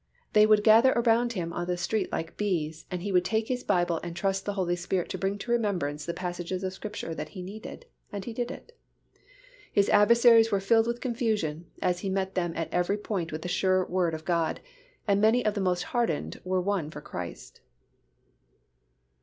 They would gather around him on the street like bees and he would take his Bible and trust the Holy Spirit to bring to remembrance the passages of Scripture that he needed and He did it. His adversaries were filled with confusion, as he met them at every point with the sure Word of God, and many of the most hardened were won for Christ.